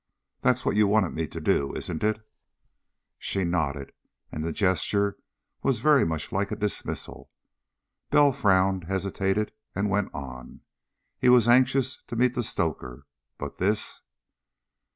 That's what you wanted me to do, isn't it?" She nodded, and the gesture was very much like a dismissal. Bell frowned, hesitated, and went on. He was anxious to meet the stoker, but this....